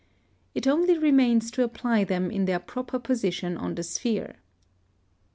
It only remains to apply them in their proper position on the sphere.